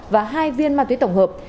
và hai viên ma túy tổng hợp